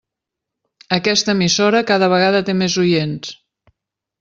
Aquesta emissora cada vegada té més oients.